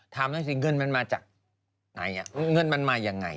ถามหน่อยถามหน่อยสิเงินมันมาจากไหนอะเงินมันมายังไง